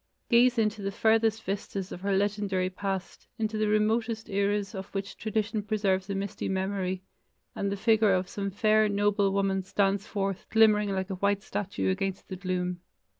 Gaze into the farthest vistas of her legendary past, into the remotest eras of which tradition preserves a misty memory, and the figure of some fair, noble woman stands forth glimmering like a white statue against the gloom.